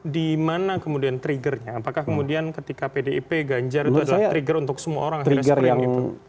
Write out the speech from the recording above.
di mana kemudian triggernya apakah kemudian ketika pdip ganjar itu adalah trigger untuk semua orang akhirnya screening itu